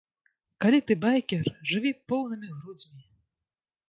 Калі ты байкер, жыві поўнымі грудзьмі!